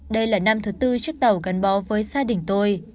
đây là năm thứ tư chiếc tàu gắn bó với gia đình tôi